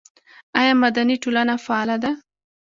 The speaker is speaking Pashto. آیا مدني ټولنه فعاله ده؟